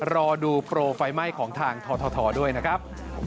รอดูโปรไฟไหม้ของทางททด้วยนะครับ